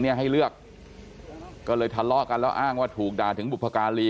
ให้เลือกก็เลยทะเลาะกันแล้วอ้างว่าถูกด่าถึงบุพการี